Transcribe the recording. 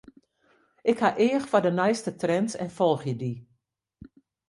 Ik ha each foar de nijste trends en folgje dy.